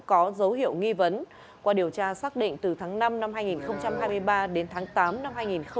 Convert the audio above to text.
có dấu hiệu nghi vấn qua điều tra xác định từ tháng năm năm hai nghìn hai mươi ba đến tháng tám năm hai nghìn hai mươi ba